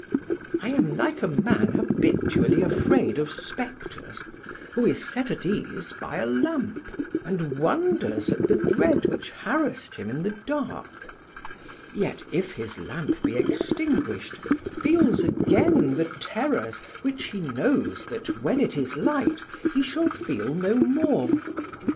I am like a man habitually afraid of spectres, who is set at ease by a lamp, and wonders at the dread which harassed him in the dark; yet, if his lamp be extinguished, feels again the terrors which he knows that when it is light he shall feel no more.